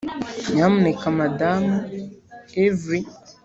nyamuneka madamu avery